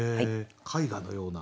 絵画のような。